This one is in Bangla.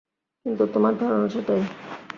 কিন্তু তোমার ধারণা সেটাই।